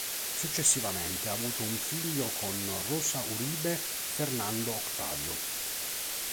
Successivamente ha avuto un figlio con Rosa Uribe, Fernando Octavio.